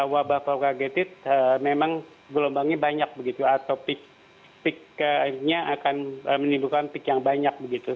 wabah propagated memang gelombangnya banyak atau peak nya akan menimbulkan peak yang banyak